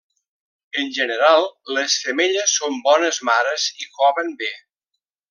En general, les femelles són bones mares i coven bé.